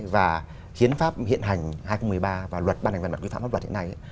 và hiến pháp hiện hành hai nghìn một mươi ba và luật ban hành văn bản quy phạm pháp luật hiện nay